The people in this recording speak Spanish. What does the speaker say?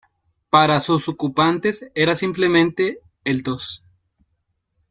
Para sus ocupantes era simplemente "el dos".